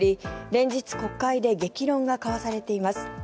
連日、国会で激論が交わされています。